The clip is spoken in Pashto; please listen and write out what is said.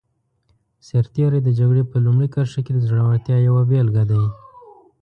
سرتېری د جګړې په لومړي کرښه کې د زړورتیا یوه بېلګه دی.